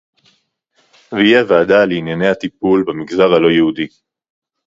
והיא הוועדה לענייני הטיפול במגזר הלא-יהודי